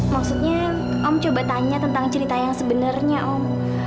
maksudnya om coba tanya tentang cerita yang sebenarnya om